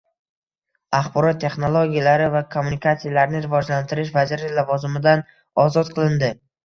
Axborot texnologiyalari va kommunikatsiyalarini rivojlantirish vaziri lavozimidan ozod qilindi